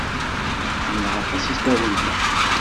Ḥemmleɣ aṭas asaru-a.